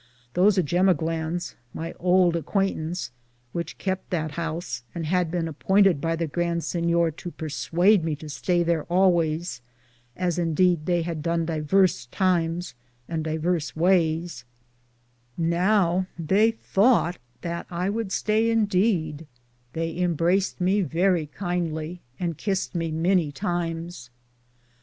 Those jemoglanes, my ould acquaintance which kept that house, and had bene appointed by the Grand Sinyor to perswade me to staye thare allwayes, as indeed theie had done diveres times and diveres wayes, now they thoughte 78 DALLAM'S TRAVELS. that I would staye in deed, thcye imbraced me verrie kindly, and kiste me many times.